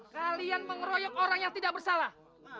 kalian mengeroyok orang yang tidak bersalah